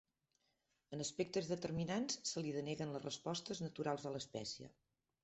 En aspectes determinats, se li deneguen les respostes naturals de l'espècie.